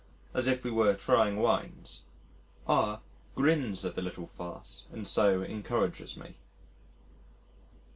as if we were trying wines. R grins at the little farce and so encourages me.